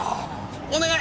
お願い！